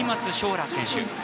羅選手。